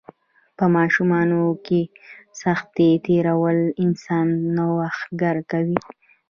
په ماشوموالي کې سختۍ تیرول انسان نوښتګر کوي.